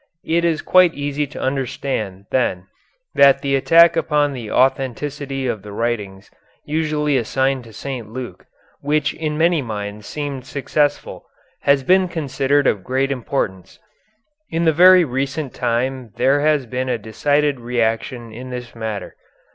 It is quite easy to understand, then, that the attack upon the authenticity of the writings usually assigned to St. Luke, which in many minds seemed successful, has been considered of great importance. In the very recent time there has been a decided reaction in this matter.